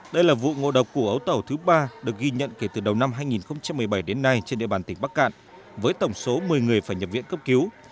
đây là vụ ngộ độc của ấu tẩu thứ ba được ghi nhận kể từ đầu năm hai nghìn một mươi bảy đến nay trên địa bàn tỉnh bắc cạn với tổng số một mươi người phải nhập viện cấp cứu